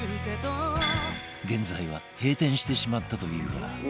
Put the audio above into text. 現在は閉店してしまったというが